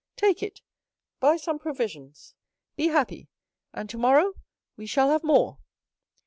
Take it; buy some provisions; be happy, and tomorrow we shall have more."